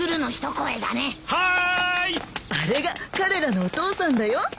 あれが彼らのお父さんだよ。